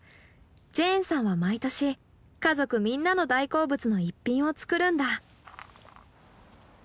ジェーンさんは毎年家族みんなの大好物の一品を作るんだ。